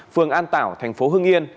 phường an tảo thành phố hưng yên